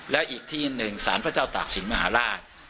แล้วอีกที่หนึ่งสารพระเจ้าตากศิลปมหาราช